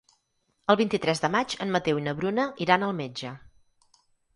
El vint-i-tres de maig en Mateu i na Bruna iran al metge.